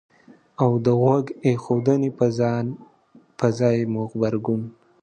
او د غوږ ایښودنې په ځای مو غبرګون